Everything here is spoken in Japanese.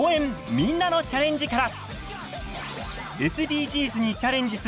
みんなのチャレンジ」から！